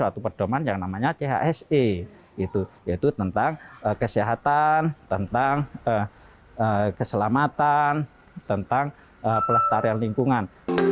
atau perdoman yang namanya chse yaitu tentang kesehatan tentang keselamatan tentang pelestarian lingkungan